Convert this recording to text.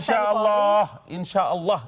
insya allah insya allah